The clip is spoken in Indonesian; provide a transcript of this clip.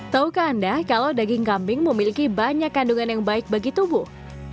taukah anda kalau daging kambing memiliki banyak kandungan yang baik bagi tubuh